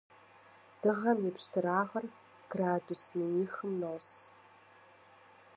Дыгъэм и пщтырагъыр градус минихым нос.